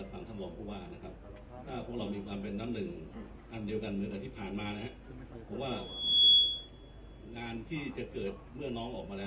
น้ำหนึ่งเหมือนกันทุกวันนี้ก็ว่า